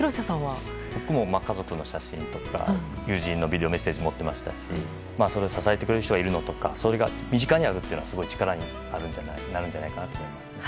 僕も家族の写真とか友人のビデオメッセージ持っていましたしそういう支えてくれる人がいたりそれが身近にあるというのはすごい力になるんじゃないかなと思います。